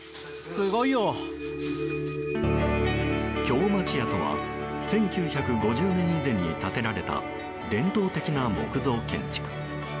京町家とは１９５０年以前に建てられた伝統的な木造建築。